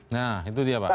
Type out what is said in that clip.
nah itu dia pak